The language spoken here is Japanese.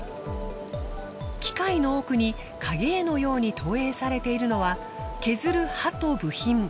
機械の奥に影絵のように投影されているのは削る刃と部品。